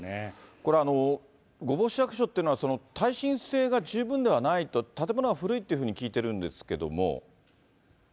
これ、御坊市役所っていうのは、耐震性が十分ではないと、建物が古いというふうに聞いてるんですけども。